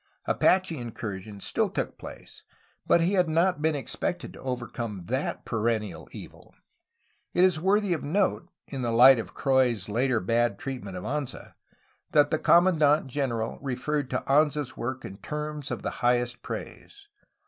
Apache incursions still took place, but he had not been expected to overcome that perennial evil. It is worthy of note — ^in the light of Croix's later bad treatment of Anza — that the commandant general referred to Anza's work in terms of the highest praise.